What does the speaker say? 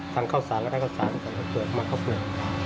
ทั้งข้าวศาสตร์และทั้งข้าวศาสตร์และทั้งข้าวเปลือมาข้าวเปลือ